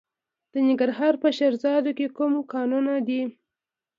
د ننګرهار په شیرزاد کې کوم کانونه دي؟